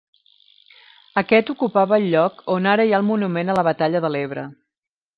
Aquest ocupava el lloc on ara hi ha el monument a la batalla de l'Ebre.